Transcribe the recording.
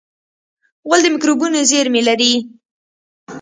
غول د مکروبونو زېرمې لري.